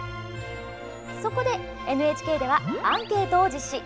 そこでＮＨＫではアンケートを実施。